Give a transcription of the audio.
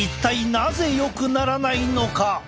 なぜよくならないのか？